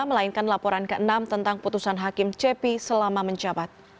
melainkan laporan ke enam tentang putusan hakim cepi selama menjabat